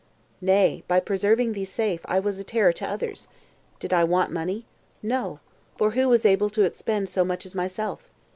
Nay, by preserving thee safe, I was a terror to others. Did I want money? No; for who was able to expend so much as myself?